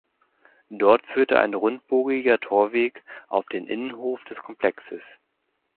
Dort führt ein rundbogiger Torweg auf den Innenhof des Komplexes.